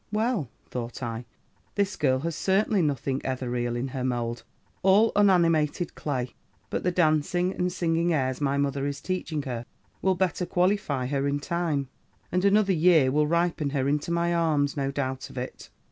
'Well,' thought I, 'this girl has certainly nothing ethereal in her mould: all unanimated clay! But the dancing and singing airs my mother is teaching her, will better qualify her in time, and another year will ripen her into my arms, no doubt of it.